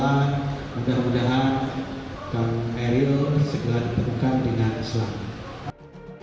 mudah mudahan kang eril segera ditemukan dengan islam